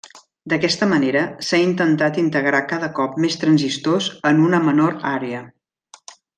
D'aquesta manera, s'ha intentat integrar cada cop més transistors en una menor àrea.